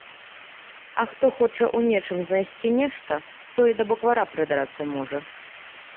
А хто хоча ў нечым знайсці нешта, той і да буквара прыдрацца можа.